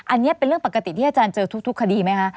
อันนี้เป็นเรื่องปกติที่อาจารย์เจอทุกคดีไหมคะ